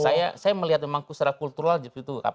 saya melihat memang secara kultural gitu